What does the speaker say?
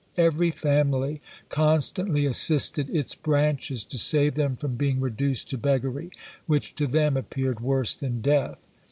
Every family constantly assisted its branches to save them from being reduced to beggary; which to them appeared worse than death.